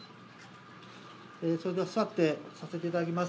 それでは座ってさせていただきます。